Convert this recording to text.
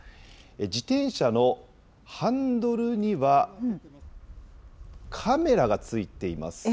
自転車のハンドルには、カメラがついています。